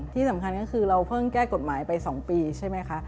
ที่สำคัญก็คือเราเพิ่งแก้กฎหมายไป๒ปีใช่ไหมคะ